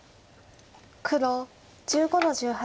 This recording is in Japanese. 黒１５の十八。